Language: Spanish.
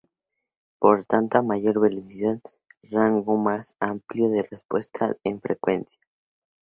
Por tanto a mayor velocidad, rango más amplio de respuesta en frecuencia.